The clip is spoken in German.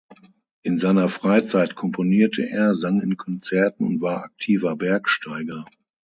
In seiner Freizeit komponierte er, sang in Konzerten und war aktiver Bergsteiger.